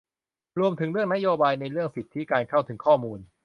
รวมถึงเรื่องนโยบายในเรื่องสิทธิการเข้าถึงข้อมูล